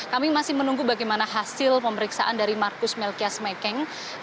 kami masih menunggu bagaimana hasil pemeriksaan dari marcus melkias mekeng